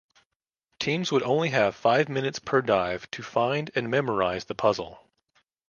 Teams would only have five minutes per dive to find and memorize the puzzle.